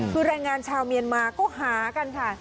คือแรงงานชาวเมียนมาก็หากันค่ะ